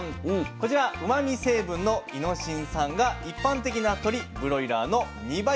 こちらうまみ成分のイノシン酸が一般的な鶏ブロイラーの２倍。